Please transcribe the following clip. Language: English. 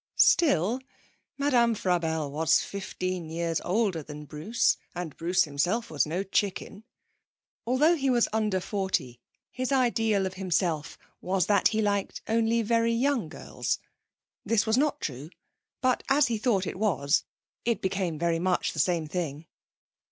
Still, Madame Frabelle was fifteen years older than Bruce, and Bruce himself was no chicken. Although he was under forty, his ideal of himself was that he liked only very young girls. This was not true. But as he thought it was, it became very much the same thing.